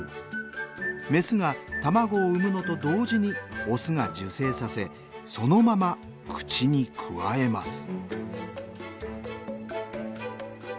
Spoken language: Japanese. メスが卵を産むのと同時にオスが受精させそのまま口にくわえます。